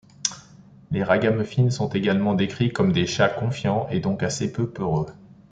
Les ragamuffins sont également décrits comme des chats confiants et donc assez peu peureux.